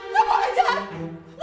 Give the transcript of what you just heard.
kamu yang jelas